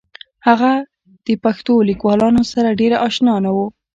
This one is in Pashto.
هغه د پښتو لیکوالانو سره ډېر اشنا نه و